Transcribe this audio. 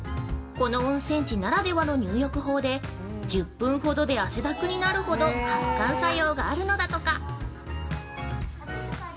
この温泉地ならではの入浴法で１０分ほどで汗だくになるほど発汗作用があるのだとか。